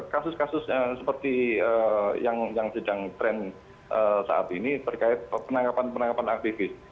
kasus kasus seperti yang sedang tren saat ini terkait penangkapan penangkapan aktivis